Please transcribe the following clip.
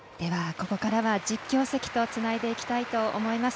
ここからは実況席とつないでいきたいと思います。